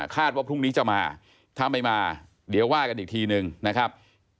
ว่าพรุ่งนี้จะมาถ้าไม่มาเดี๋ยวว่ากันอีกทีนึงนะครับ